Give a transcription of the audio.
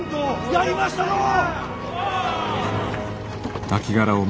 やりましたのう！